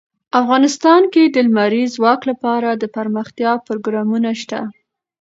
افغانستان کې د لمریز ځواک لپاره دپرمختیا پروګرامونه شته.